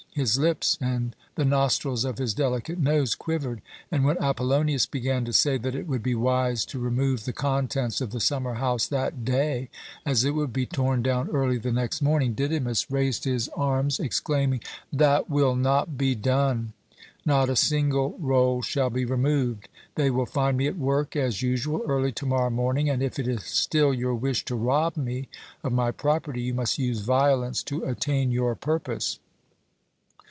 His lips and the nostrils of his delicate nose quivered, and when Apollonius began to say that it would be wise to remove the contents of the summer house that day, as it would be torn down early the next morning, Didymus raised his arms, exclaiming: "That will not be done. Not a single roll shall be removed! They will find me at work as usual early to morrow morning, and if it is still your wish to rob me of my property you must use violence to attain your purpose."